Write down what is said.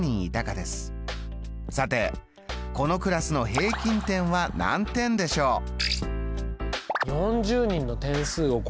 さてこのクラスの平均点は何点でしょう？